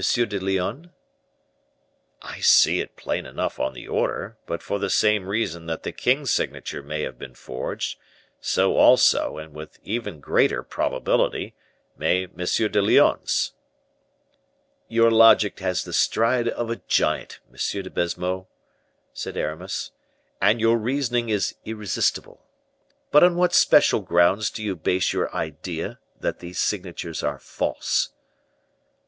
de Lyonne?" "I see it plain enough on the order; but for the same reason that the king's signature may have been forged, so also, and with even greater probability, may M. de Lyonne's." "Your logic has the stride of a giant, M. de Baisemeaux," said Aramis; "and your reasoning is irresistible. But on what special grounds do you base your idea that these signatures are false?"